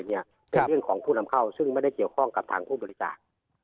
เป็นเรื่องของผู้นำเข้าซึ่งไม่ได้เกี่ยวข้องกับทางผู้บริจาค